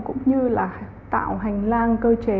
cũng như là tạo hành lang cơ chế